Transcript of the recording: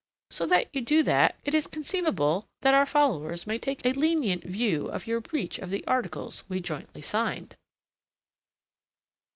So that you do that, it is conceivable that our followers may take a lenient view of your breach of the articles we jointly signed."